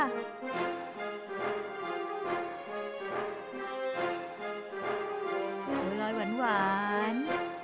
บัวรอยหวาน